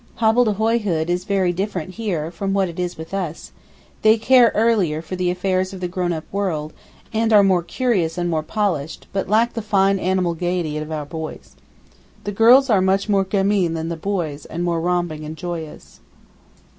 Hobble de hoy hood is very different here from what it is with us; they care earlier for the affairs of the grown up world, and are more curious and more polished, but lack the fine animal gaiety of our boys. The girls are much more gamin than the boys, and more romping and joyous.